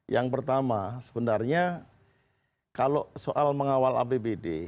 yang pertama sebenarnya kalau soal mengawal apbd